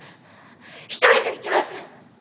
一人で行けます！